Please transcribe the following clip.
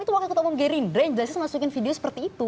itu wakil ketua umum gerindra yang jelas jelas masukin video seperti itu